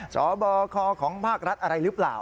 สบคของภาครัฐอะไรหรือเปล่า